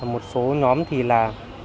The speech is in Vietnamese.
một số nhóm thì là